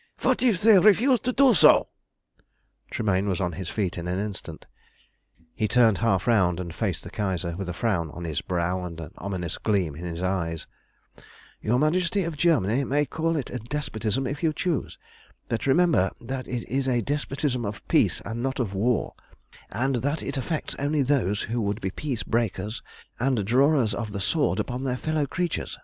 What if they refuse to do so?" Tremayne was on his feet in an instant. He turned half round and faced the Kaiser, with a frown on his brow and an ominous gleam in his eyes "Your Majesty of Germany may call it a despotism if you choose, but remember that it is a despotism of peace and not of war, and that it affects only those who would be peace breakers and drawers of the sword upon their fellow creatures.